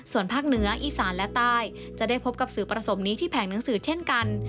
ส่วนภาคเหนืออีสานและใต้จะได้พบกับสื่อประสงค์นี้ที่แผงหนังสือเช่นกัน